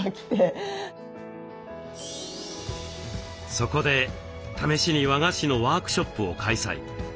そこで試しに和菓子のワークショップを開催。